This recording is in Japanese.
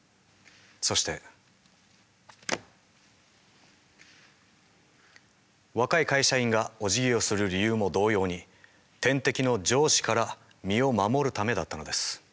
そして若い会社員がおじぎをする理由も同様に天敵の上司から身を守るためだったのです。